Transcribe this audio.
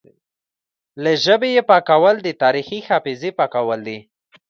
له ژبې یې پاکول د تاریخي حافظې پاکول دي